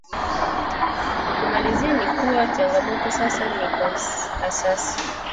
Kumalizia ni kuwa changamoto sasa ni kwa asasi